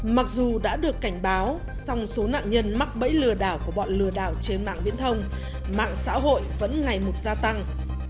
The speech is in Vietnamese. mặc dù đã được cảnh báo song số nạn nhân mắc bẫy lừa đảo của bọn lừa đảo trên mạng viễn thông mạng xã hội vẫn ngày một gia tăng